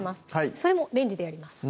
それもレンジでやります